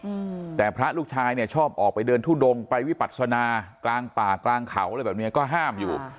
อืมแต่พระลูกชายเนี่ยชอบออกไปเดินทุดงไปวิปัศนากลางป่ากลางเขาอะไรแบบเนี้ยก็ห้ามอยู่